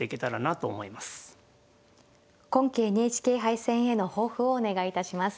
今期ＮＨＫ杯戦への抱負をお願いいたします。